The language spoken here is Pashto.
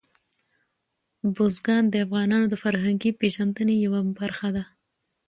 بزګان د افغانانو د فرهنګي پیژندنې یوه برخه ده.